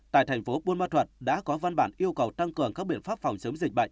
tại thành phố buôn ma thuật đã có văn bản yêu cầu tăng cường các biện pháp phòng chống dịch bệnh